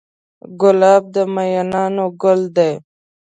ګلاب د مینانو ګل دی.